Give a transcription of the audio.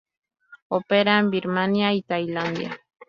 Opera en Birmania y Tailandia.